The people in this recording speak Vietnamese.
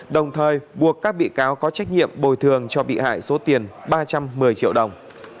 đồng thời buộc các bị cáo có trách nhiệm bồi thường cho bị hại số tiền ba trăm một mươi triệu đồng